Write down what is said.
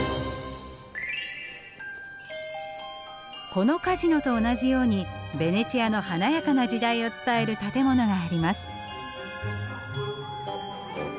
このカジノと同じようにベネチアの華やかな時代を伝える建物があります。